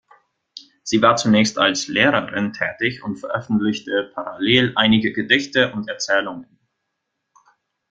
Sie war zunächst als Lehrerin tätig und veröffentlichte parallel einige Gedichte und Erzählungen.